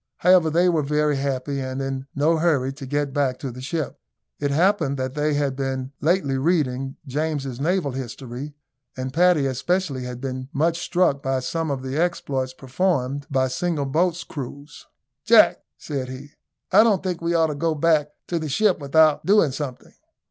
However, they were very happy, and in no hurry to get back to the ship. It happened that they had been lately reading James's Naval History, and Paddy especially had been much struck by some of the exploits performed by single boat's crews. "Jack," said he, "I don't think we ought to go back to the ship without doing something."